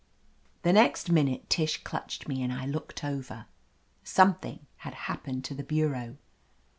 The next minute Tish clutched me and I looked over. Something had happened to the bureau.